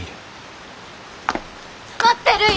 待ってるい！